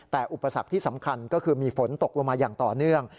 แต่อุปสรรคที่สำคัญก็คือมีฝนตกลงมาอย่างต่อเนื่อง